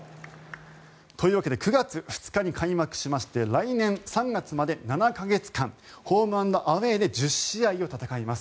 というわけで９月２日に開幕しまして来年３月まで７か月間ホーム・アンド・アウェーで１０試合を戦います。